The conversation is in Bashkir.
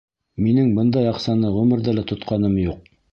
Минең бындай аҡсаны ғүмерҙә лә тотҡаным юҡ.